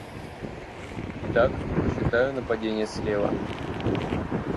Итак, считаю нападенье слева!